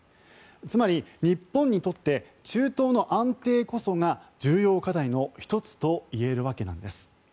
つまり、日本にとって中東の安定こそが重要課題の１つといえるわけなんです。